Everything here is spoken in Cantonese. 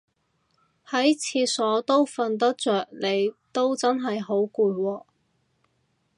喺廁所都瞓得着你都真係好攰喎